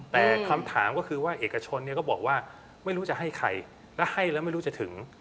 แต่คำถามก็คือว่าเอกชนเนี่ยก็บอกว่าไม่รู้จะให้ใครแล้วให้แล้วไม่รู้จะถึง